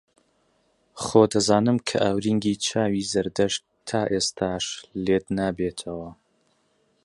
خۆ دەزانم کە ئاورینگی چاوی زەردەشت تا ئێستاش لێت نابێتەوە